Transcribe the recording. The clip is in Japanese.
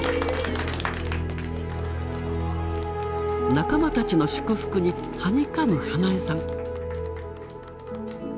仲間たちの祝福にはにかむ英恵さん。